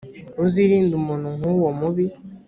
uzirinde umuntu nk’uwo mubi.